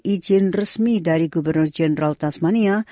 izin resmi dari gubernur jenderal tasmania